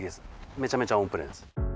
めちゃめちゃオンプレーンです。